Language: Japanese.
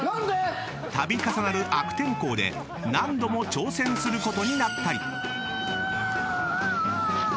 ［度重なる悪天候で何度も挑戦することになったり］